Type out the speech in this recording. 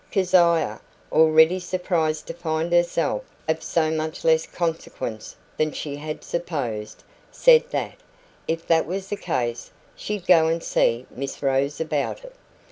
Keziah, also surprised to find herself of so much less consequence than she had supposed, said that, if that was the case, she'd go and see Miss Rose about it.